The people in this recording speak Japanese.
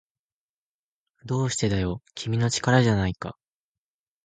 どうしてだよ、君の力じゃないか